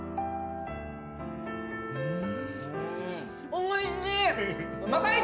おいしい！